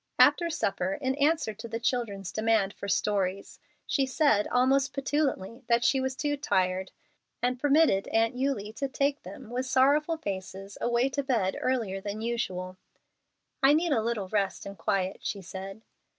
After supper, in answer to the children's demand for stories, she said almost petulantly that she was "too tired," and permitted Aunt Eulie to take them with sorrowful faces away to bed earlier than usual. "I need a little rest and quiet," she said.